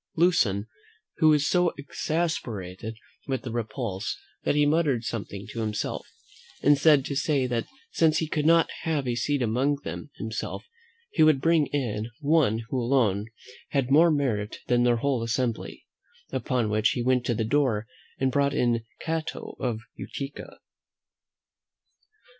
Lucan was so exasperated with the repulse, that he muttered something to himself, and was heard to say that since he could not have a seat among them himself, he would bring in one who alone had more merit than their whole assembly: upon which he went to the door and brought in Cato of Utica.